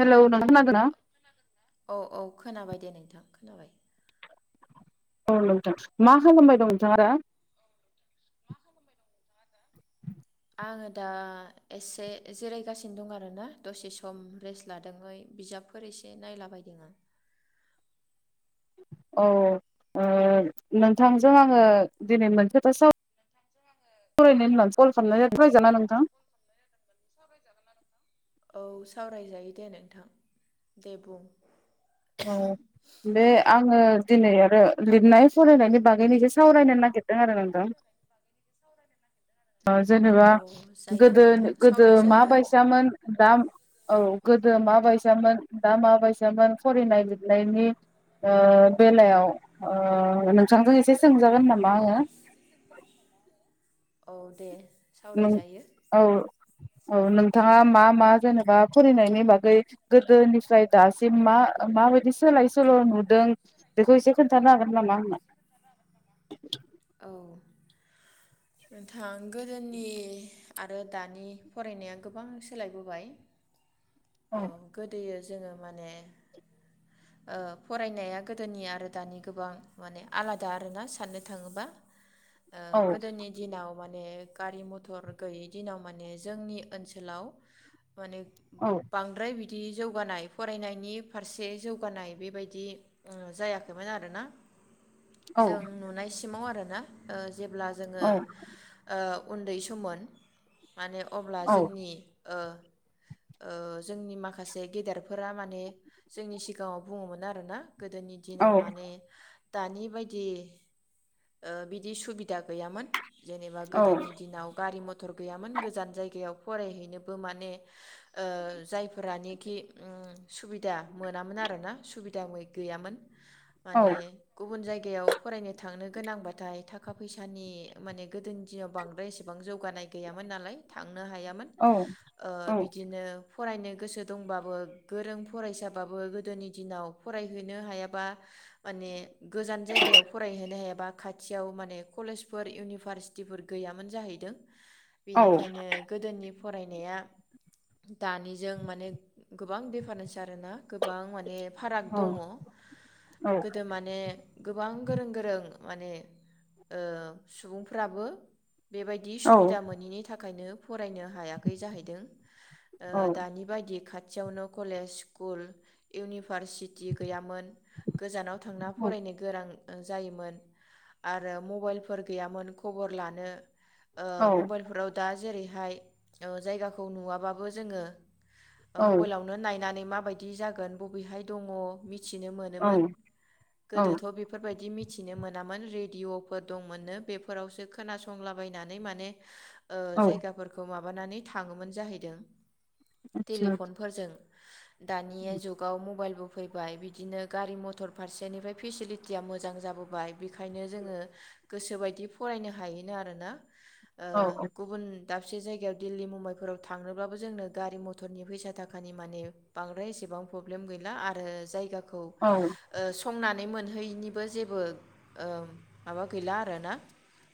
Hello नोंथां खोनादोंना? औ औ खोनाबाय दे नोंथां खोनाबाय औ नोंथां मा खालामबाय दं नोंथाङा दा मा खालामबाय दं नोंथाङा दा? आङो दा एसे जिरायगासिनो दं आरोना दसे सम रेस्ट लादोंयै बिजाबफोर एसे नायलाबायदों आं औ ओ नोंथांजों आङो दिनै मोनसे खोथा नोंथांजों आङो सावरायनो दिनै होननानै मोनसे कल खोथा खालामनाय सावरायनो सावरायगोनना होननानै नोंथां औ सावरायजायो दे नोंथां दे बुं औ बे आङो दिनै आरो लिरनाय फरायनायनि बागैनो एसे सावरायनो नागिरदों आरो नोंथां ओ जेनेबा औ जायो गोदोन नोंथां गोदो मा सावरायजायो बायसामोन दा औ गोदो माबायसामोन दा माबायसामोन फरायनाय लिरनायनि ओ बेलायाव ओ नोंथांजों एसे सोंजागोन नामा आङो औ दे नं सावरायजायो औ औ नोंथाङा मा मा जेनेबा फरायनायनि बागै गोदोनिफ्राय दासिम मा माबायदि सोलाय सोल' नुदों बेखौ एसे खोन्थानो हागोन नामा आंनो औ नोंथां गोदोनि आरो दानि फरायनाया गोबां सोलायबोबाय औ गोदोयो जोङो माने ओ फरायनाया गोदोनि आरो दानि गोबां माने आलादा आरोना साननो थाङोबा ओ औ गोदोनि दिनाव माने गारि मथर गैयि दिनाव माने जोंनि ओनसोलाव माने औ द्राय बिदि जौगानाय फरायनायनि फारसे जौगानाय बेबायदि ओ जायाखैमोन आरोना जों नुनायसिमाव आरो ना ओ जेब्ला जोङो औ ओ उन्दै सममोन माने अब्ला औ जोंनि ओ ओ जोंनि माखासे गेदेर फोरा माने जोंनि सिगाङाव बुङोमोन आरो ना गोदोनि औ दिनाव माने दानि बायदि ओ बिदि सुबिदा गैयामोन। जेनेबा औ गोदोनि दिनाव गारि मथ थर गैयामोन गोजान जायगायाव फरायहैनोबो माने ओ जायफ फोरा निखि उम सुबिदा मोनामोन आरो ना सुबिदा मै गैयामोन। औ माने गुबुन जाय गायाव फरायनो थांनो गोनांबाथाय थाखा फैसानि माने गोदोनि दिनाव बांद्राय एसेबां जौगानाय गैयामोन नालाय थां नो हायामोन। औ ओ बि ओ फरायनो गोसो दंबाबो गोरों फरायसाबाबो गोदोनि दिनाव फरायहैनो हायाबा माने गोजान जायगायाव फरायहैनो हे बा खाथियाव माने कलेजफोर इउनिभारसिटिफोर गैयामोन जाहैदों। औ बेनिखायनो गोदोनि फरायनाया दानिजों माने गोबां दिफारेन्स आरोना गोबां माने फाराग औ दङ। औ गोदो माने गोबां गोरों गोरों माने ओ सुबुंफ्राबो बेबायदि सुबिदा मोनिनि थाखायनो फरायनो हायाखै जाहैदों। ओ औ दानि बायदि खा खाथियावनो कलेज स्कुल इउनिभारसिटि गैयामोन। गोजानाव थांना फरायनो गोरों जायोमोन आरो मबाइलफोर गैयामोन खबर लानो। ओ मबाइलफोराव दा जेरै ओमफ्राय ओ जायगाखौ नुवा ओमबाबो जोङो औ मबाइलावनो नायनानै मा बायदि जागोन बबेहाय दङ मिथिनो मोनोन औ गोदोथ बेफोरबायदि मि मिथिनो मोनामोन रेदिअफोर दंमोननो बेफोरावसो खोनासंलाबायनानै माने ओ जायगाफोरखौ माबा माबानानै थाङोमोन जाहैबाय [unintelligible] आतसा टेलिफनफोरजों दानि जुगाव मबाइल बो फैबाय बिदिनो गारि मथर फारसेनिफ्राय फेसिलिटिया मोजां जाबोबाय बेखायनो जोङो गोसोबायदि फरायनो हायोन आरोना ओ औ गुबुन दाबसे जायगायाव दिल्ली मुम्बाइफोराव थांनोबो जोंनो गारि मथरनि फैसा थाखानि मे बांद्राय एसेबां प्रब्लेम गैला आरो जायगा औ ओ संनानै मोन हैनिबो जेबो ओ माबा गैला आरोना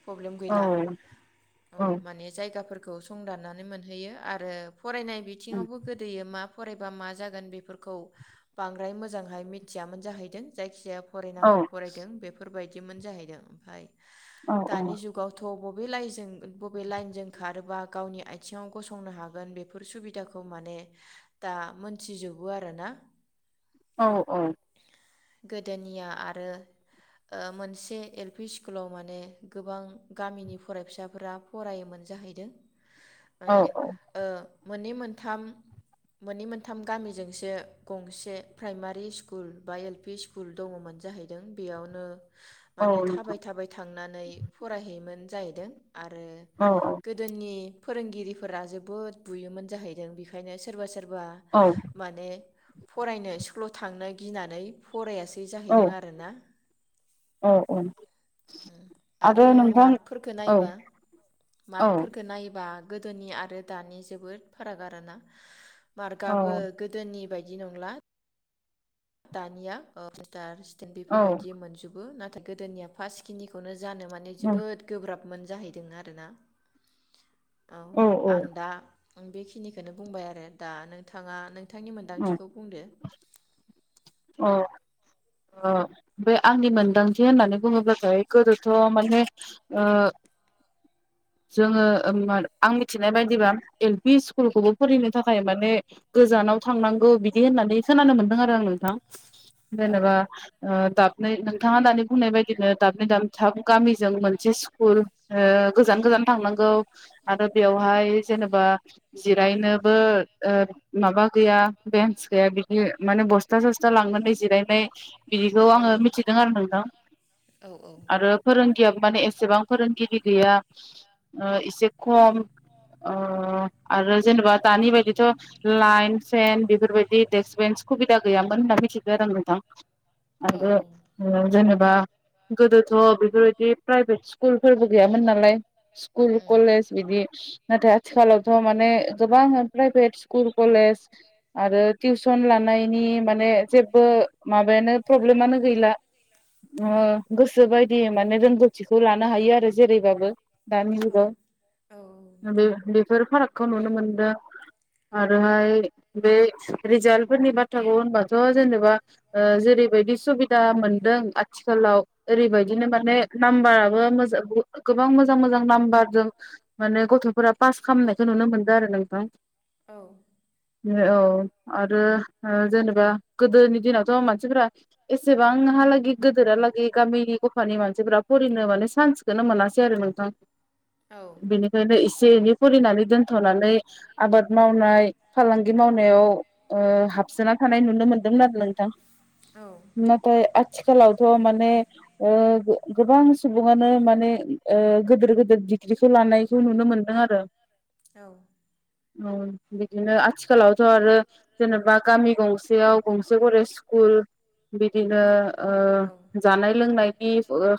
प्रब्लेम गैला औ औ औ माने जायगा खौ संदाननानै मोनहैयो आरो फरायनाय बिथिङावबो गोदोयो मा फरायबा मा जागोन बेफोरखौ बांद्राय मोजांहाय मिथियामोन जाहैदों जायखिजाया फरायनांगौ फरायदों बेफोरबायदि बिदिमोन जाहैदों ओम औ दानि जुगावथ' लाइ बबे लाइनजों खारोबा गावनि आथिंआव गसं संनो हागोन बेफोर सुबिदाखौ माने दा मोनथिजोबो आरोना औ औ गोदोनिया आरो ओ मोनसे एल पि स्कुलाव माने गोबां गामिनि फरायफिसाफोरा फरायोमोन जाहैदों औ माने औ ओ मोननै मोनथाम मोननै मोनथाम गामिजोंसो गंसे प्राइमारि स्कुल बा एल पि स्कुल दङमोन जाहैदों बेयावनो माने औ थाबाय औ थाबाय थांनानै फरायहैयोमोन जाहैदों आरो गोदोनि फोरोंगिरि फोर जोबोद बुयोमोन जाहैदों बेनिखायनो सोरबा सोरबा औ बे माने फरायनो स्कुलाव थांनो गिनानै फरायासै बि औ जाहैदों आरोना औ औ आरो मार्कफोरखौ औ नायबा औ मार्कफोरफोरखौ नायोबा गोदोनि आरो दानि जोबोद फाराग आरोना औ मार्कआबो गोदोनि बायदि बिदि नंला दानिया [unintelligible] खेन औ बेफोरबायदि मोनजोबो ना था गोदोनिया फास खिनिखौनो जानो माने जोबोद गोब्राब मोनजाहैदों आरोना। औ औ आं दा आं बेखिनिखोनो बुंबाय आरो दा नोंथाङा नों थांनि मोन्दांथिखौ बुंदो। अ ओ बे आंनि मोनदांथि होननानै बुङोब्लाथाय गोदोथ' माने ओ जोङो ओ मोर आं मिथिनाय बायदिबा एल पि स्कुलखौबो फरायनो थाखाय माने गोजानाव थांनांगौ बिदि होननानै खोनानो मोनदों आरो आं नोंथां। औ जेनेबा ओ दाब नै नोंथाङा दानि बुंनाय बायदिनो दाबनै दाम थाब गामिजों मोनसे स्कुल ओ गोजान गोजान थांनांगौ आरो बेवहाय जेनबा जिरायनोबो ओ माबा गैया बेन्स गैया बिदि माने बस्था सस्था लांनानै जिरायनाय बिदिखौ आङो मिथिदों आरो नोंथां नोंथां आरो फोरों खेयां माने एसेबां फोरोंगिरि गैया। ओ एसे खम ओ आरो जेनेबा दानि बायदिथ' लाइन फेन बेफोरबायदि देक्स्क बेन्स खुबिदा गैयामोन होनना मिथिगो आरो आं नोंथां। आंगो आरो स्कुल ओ जेनेब बा गोदोथ' बेफोरबायदि प्राइभेट स्कुलफोरबो गैयामोन नालाय स्कुल कलेज बिदि नाथाय आथिखालावथ' माने गोबां प्राइभेट स्कुल कलेज आरो टिउसन लानायनि माने जेबबो माबायानो प्रब्लेमानो गैला ओ गोसो बायदि माने रोंगौथिखौ लानो हायो आरो जेरैबाबो। दानि जुगाव औ बे नोंथां बेफोर फाराग खौ नुनो मोनदों आरोहाय बे रिजाल्ट फोरनि बाथ्राखौ होनबाथ' जेनेबा ओ जेरैबायदि सुबिदा मोनदों आथिखालाव ओरैबायदिनो माने नाम्बाराबो मोजा बुहुत गोबां मोज जां मोजां नामबारजां माने गथ'फोरा पास खामनायखौ नुनो मोनदो आरो नोंथां औ ए औ आरो ओ जेनेबा गोदोनि दिनावथ' मा सिफ्रा एसेबांहालागै गोदोरहालागै गामिनि गफानि मानसिफोरा फरियिनो माने सान्सखौनो मोनासै आरो नों थां औ बेनिखायनो एसे इदि फरिनानै दोनथ'नानै आबाद मावनाय फालांगि मावनायाव ओ हाबसोना थानाय नुनो मोनदोंमोन आरो नोंथां औ नाथाय आथि खालावथ' माने ओ गो गोबां सुबुङानो माने ओ गोदोर गोेदोर दिग्रि खौ लानायखौ नुनो मोनदों आरो औ औ। बिदिनो आथिखालाव थ' आरो जेनेबा गामि गंसेयाव गंसे गरे स्कुल बिदिनो ओ औ जानाय लोंनायनि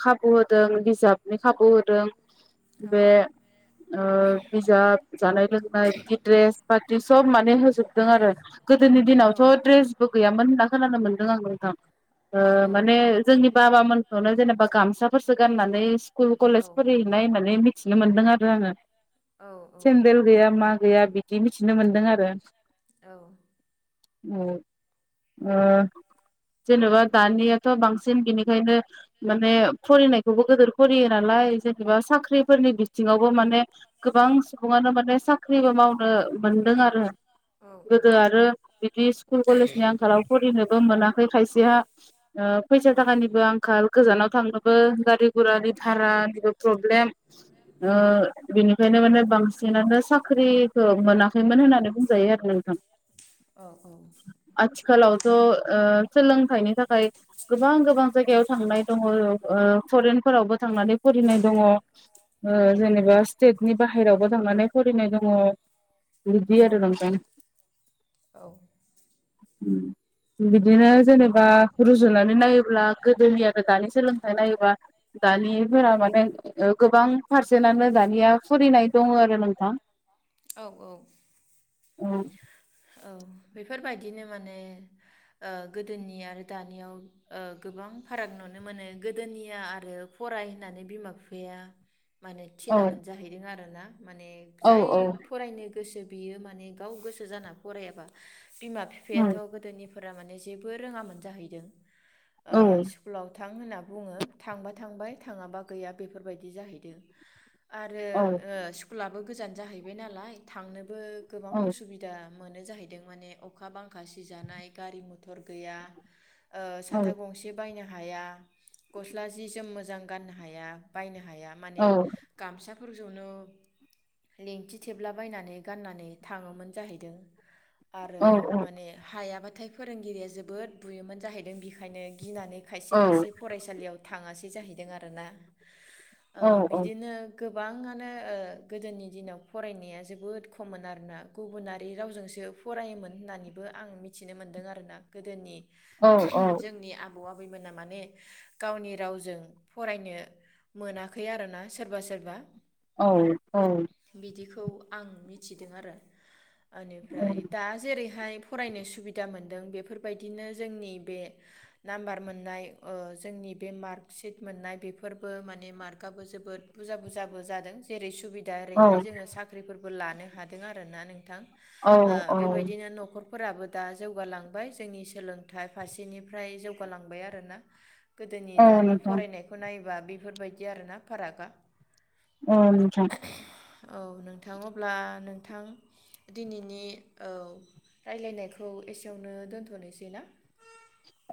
खाबु होदों बिजाबनि खाबु होदों औ बे ओ बिजाब जानाय लोंनाय बिदि औ द्रेस बादि सब माने होजोबदों आरो गोदोनि औ दिनावथ ड्रेसबो गैयामोन होनना खोनानो मोनदों आं नोंथां। ओ माने जोंनि बाबामोनखौनो जेनेबा गामसाफोरसो गाननानै स्कुल कलेस नानै मिथिनो मोनदों आरो आङो। सेन्देल गैया मा गैया बिदि मिथिनो मोनदों आरो। औ औ ओ जेनेबा दानियाथ बांसिन बिनिखायनो माने फरियनायखौबो गिदिर फरियो नालाय जों नेबा साख्रिफोरनि बिथिङाव बो माने गोबां सुबुङानो माने साख्रिबो मावनो मोनदों आरो गोदो आरो बिदि स्कुल कलेजनि आंखालाव फरिनोबो मोना। ओफ्राय खायसेया ओ फैसा थाखानिबो आंखाल गोजानाव थांनोबो गारि गुरानि भारानिबो प्रब्लेम ओ बिनिखायनो माने बांसिनानो साख्रिखौ मोनाखैमोन होननानै बुंजायो आरो नोंथां। आथिखालाथ ओ सोलोंथाइनि थाखाय गोबां गोबां जायगायाव थांनाय दङ ओ फरेनफोरावबो थांनानै फरिनाय दङ जेनेबा स्टेटनि बाहेरावबो थांनानै फरिनाय दङ। बिदि आरो नोंथां बिदिनो जेनेबा रुजुनानै नायोब्ला गोदोनि आरो दानि सोलोंथाइ नायोबा दानिफोरा माने। गोबां पारसेटनो दानिया फरिनाय दङ आरो नोंथां। औ औ औ औ बेफोर बायदिनो माने ओ गोदोनि आरो दानियाव ओ गोबां फाराग नुनो मोनो गोदोनिया आरो फराय होननानै बिमा बिफाया माने औ थिनामोन जाहैदों आरो। [inaudible] माने औ जाय औ फरायनो गोसो बियो माने गाव गोसो जाना फरायाबा बिमा बिफायाथ गोदोनि फोरा माने जेबो रोङामोन जाहैदों। औ ओ स्कुलाव थां होनना बुङो थांबा थांबाय थाङाबा गैया बेफोर बायदि जाहैदों। आरो औ स्कुलाबो गोजान जाहैबाय नालाय थांनो बो गोबां औ असुबिदा मोनो जाहैदों माने अखा बांखा सिजानाय गारि मथर गैया ओ औ साथा गंसे बायनो हा हाया गसला जि जोम मोजां गाननो हाया बायनो गैया माने गामसा न फोरजोंनो लेंथि थेबलाबायनानै गाननानै थाङोमोन जाहैदों आरो औ माने हायाबा नाथाइ फोरोंगिरिया जोबोद बुयोमोन जाहैदों बेखायनो गिनानै खायसे खायसे फरायसालियाव थाङासै जाहैदों आरोना औ औ बिदिनो गोबाङानो ओ गोदोनि दिनाव फरायनाया जोबोद खममोन आरोना गुबुनारि रावजों जोंसो फरायोमोन होननानैबो आं मिथिनो मोन्दों आरोना गोदोनि औ जोंनि आबौ आबैमोना माने गावनि रावजों फरायनो मोनाखै आरोना सोरबा सोरबा औ औ खौ आं मिथिदों आरो बेनिफ्राय दा जेरैहाय फरायनो सुबिदा मोनदों बेफोरबायदिनो जोंनि बे नाम्बार मोननाय ओ जोंनि बे मार्कसिट मोननाय बेफोरबो माने मार्कआबो जोबोद बुरजा बुरजो जादों जेरै ओ सुबिदा एरैहाय जोङो साख्रिफोर बो लानो हादों आरोना नोंथां औ ओ औ बेबायदिनो न'खर फोराबो दा जौगालांबाय जोंनि सोलोंथाइ फारसेनिफ्राय जौगालांबाय आरोना गोदोनि औ दानि नोंथां फरायनायखौ नाय बेफोरबायदि आरोना फारागा औ नोंथां औ नोंथां अब्ला नोंथां दिनैनि औ राय्लायनायखौ एसेयावनो दोनथ'नोसै ना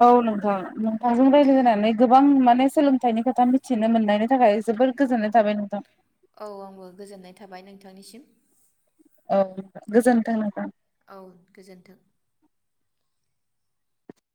औ नोंथां नं थांजों औ रायज्लायनानै गोबां मो माने सोलोंथाइनि खोथा मिथिनो मोननायनि थाखाय जबोद गोजोननाय थाबाय नोंथां औ आंबो गोजोननाय थाबाय नोंथांनिसिम औ गोजोन्थों नोंथां। औ गोजोन्थों।